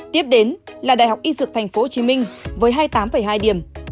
tiếp đến là đại học y dược tp hcm với hai mươi tám hai điểm